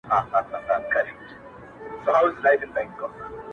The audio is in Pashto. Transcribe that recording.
غاړه راکړه، خولگۍ راکړه، بس دی چوپ سه~